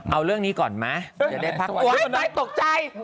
เอาเรื่องนี้ก่อนไหมอย่าได้พักกลัวโอ้โฮตกใจ